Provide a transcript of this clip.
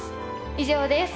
以上です。